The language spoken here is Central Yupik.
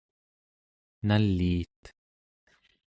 naliit?